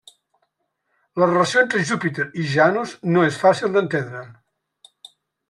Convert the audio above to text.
La relació entre Júpiter i Janus no és fàcil d'entendre.